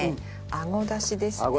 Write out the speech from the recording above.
あごだしですね。